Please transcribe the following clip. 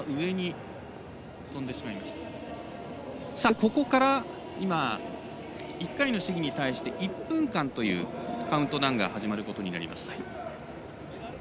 ここから、１回の試技に対して１分間というカウントダウンが始まります。